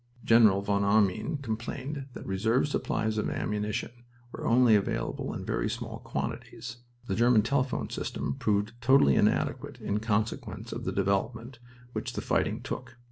General von Arnim complained that "reserve supplies of ammunition were only available in very small quantities." The German telephone system proved "totally inadequate in consequence of the development which the fighting took."